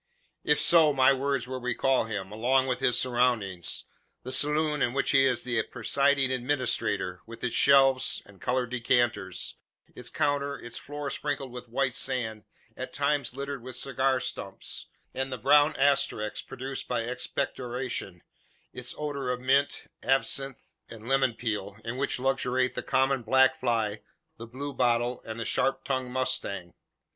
If so, my words will recall him, along with his surroundings the saloon in which he is the presiding administrator, with its shelves and coloured decanters; its counter; its floor sprinkled with white sand, at times littered with cigar stumps, and the brown asterisks produced by expectoration its odour of mint, absinthe, and lemon peel, in which luxuriate the common black fly, the blue bottle, and the sharp tongued mosquito.